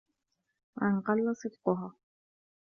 وَإِنْ قَلَّ صِدْقُهَا